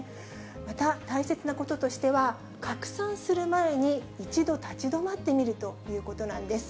また大切なこととしては、拡散する前に、一度立ち止まってみるということなんです。